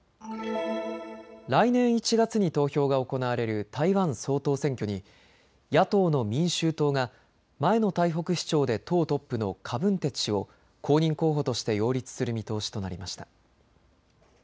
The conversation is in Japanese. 来年１月に投票が行われる台湾総統選挙に野党の民衆党が前の台北市長で党トップの柯文哲氏を公認候補として擁立する見通しとなりました。